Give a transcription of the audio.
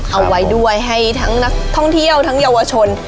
เอาไว้ด้วยให้ทั้งนักท่องเที่ยวทั้งเยาวชน